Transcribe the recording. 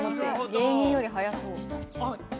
芸人より早そう。